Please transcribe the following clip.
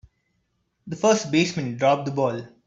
The first baseman dropped the ball.